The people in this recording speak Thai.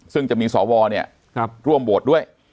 ซึ่งจะมีสวร่วมโหวตด้วย